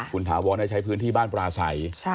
คุณถาวรใช้พื้นที่บ้านปลาใส